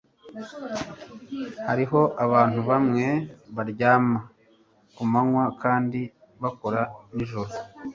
hariho abantu bamwe baryama kumanywa kandi bakora nijoro